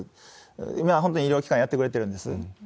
今、本当に医療機関やってくれてるんです。